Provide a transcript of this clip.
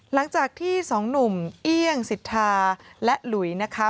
หลังจากที่สองหนุ่มเอี่ยงสิทธาและหลุยนะคะ